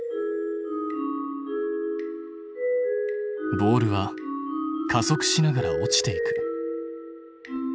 ボールは加速しながら落ちていく。